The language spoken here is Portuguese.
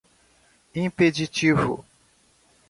impeditivo